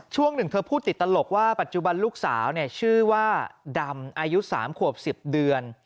ช่วงหนึ่งเธอพูดติดตลกว่าปัจจุบันลูกสาวชื่อว่าดำอายุ๓ขวบ๑๐เดือน